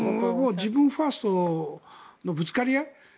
自分ファーストのぶつかり合い。